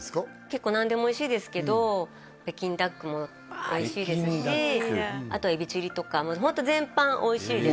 結構何でもおいしいですけど北京ダックもおいしいですし北京ダックあとエビチリとかもホント全般おいしいです